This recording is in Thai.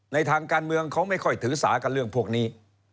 ในทางการเมืองเขาไม่ค่อยถือสากับเรื่องพวกนี้